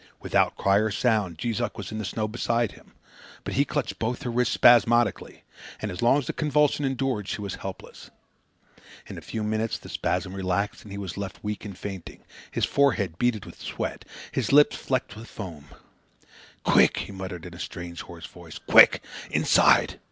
Without cry or sound, Jees Uck was in the snow beside him; but he clutched both her wrists spasmodically, and as long as the convulsion endured she was helpless. In a few moments the spasm relaxed and he was left weak and fainting, his forehead beaded with sweat, and his lips flecked with foam. "Quick!" he muttered, in a strange, hoarse voice. "Quick! Inside!"